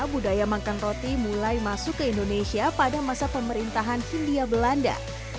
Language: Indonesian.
budaya makan roti mulai masuk ke indonesia pada masa pemerintahan hindia belanda